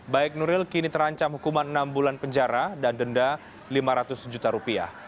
baik nuril kini terancam hukuman enam bulan penjara dan denda lima ratus juta rupiah